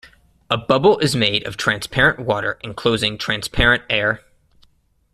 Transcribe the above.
A bubble is made of transparent water enclosing transparent air.